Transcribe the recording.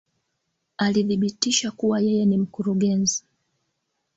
Alidhibitisha kuwa yeye ni mkurugenzi